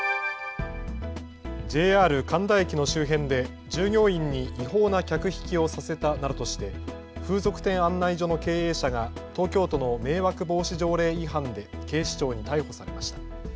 ＪＲ神田駅の周辺で従業員に違法な客引きをさせたなどとして風俗店案内所の経営者が東京都の迷惑防止条例違反で警視庁に逮捕されました。